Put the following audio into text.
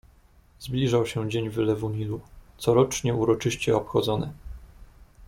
"Zbliżał się dzień wylewu Nilu, corocznie uroczyście obchodzony."